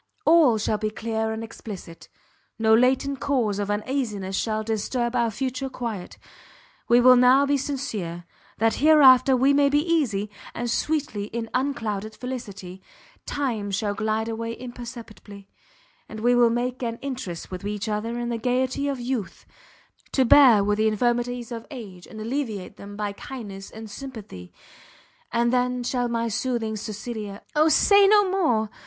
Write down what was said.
All shall be clear and explicit; no latent cause of uneasiness shall disturb our future quiet; we will now be sincere, that hereafter we may be easy; and sweetly in unclouded felicity, time shall glide away imperceptibly, and we will make an interest with each other in the gaiety of youth, to bear with the infirmities of age, and alleviate them by kindness and sympathy. And then shall my soothing Cecilia " "O say no more!"